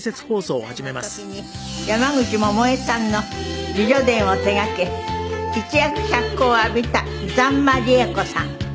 ３０歳の時に山口百恵さんの自叙伝を手がけ一躍脚光を浴びた残間里江子さん。